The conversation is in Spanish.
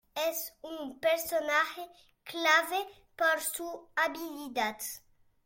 Es un personaje clave por su habilidad.